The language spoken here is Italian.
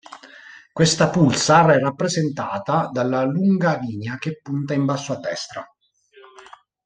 Questa pulsar è rappresentata dalla lunga linea che punta in basso a destra.